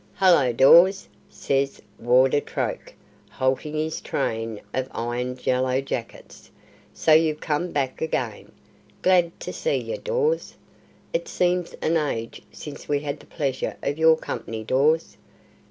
"Hallo, Dawes!" says Warder Troke, halting his train of ironed yellow jackets. "So you've come back again! Glad to see yer, Dawes! It seems an age since we had the pleasure of your company, Dawes!"